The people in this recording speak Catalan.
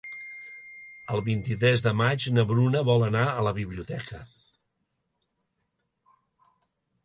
El vint-i-tres de maig na Bruna vol anar a la biblioteca.